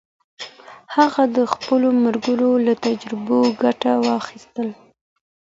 هغه د خپلو ملګرو له تجربو ګټه واخیسته.